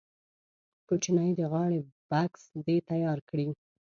کوچنی د غاړې بکس دې تیار کړي.